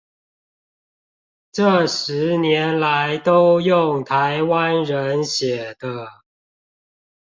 這十年來都用台灣人寫的